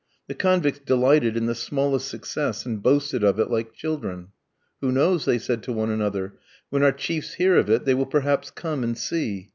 The convicts delighted in the smallest success, and boasted of it like children. "Who knows?" they said to one another; "when our chiefs hear of it they will perhaps come and see.